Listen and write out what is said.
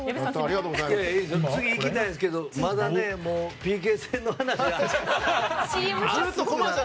次いきたいですけどまだね、ＰＫ戦の話が。